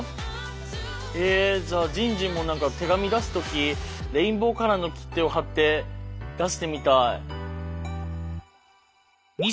えじゃあじんじんも何か手紙出す時レインボーカラーの切手を貼って出してみたい。